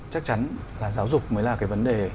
chắc chắn là giáo dục mới là cái vấn đề